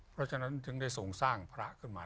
เพราะฉะนั้นถึงได้ส่งสร้างพระขึ้นมา